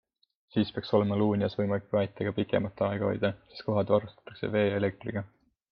Siis peaks olema Luunjas võimalik paate ka pikemat aega hoida, sest kohad varustatakse vee ja elektriga.